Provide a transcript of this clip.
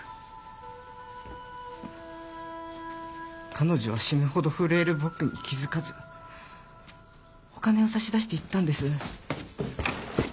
彼女は死ぬほど震える僕に気付かずお金を差し出して言ったんです。